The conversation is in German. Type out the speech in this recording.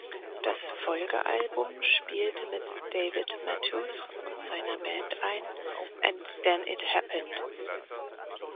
Das Folgealbum spielte mit David Matthews und seiner Band ein ("And Then It Happened").